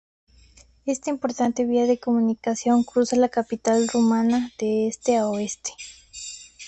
Esta importante vía de comunicación cruza la capital rumana de este a oeste.